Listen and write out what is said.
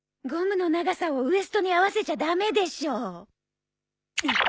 ゴムの長さをウエストに合わせちゃダメでしょ。